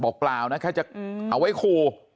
บอกกล่าวนะแค่จะเอาไว้คู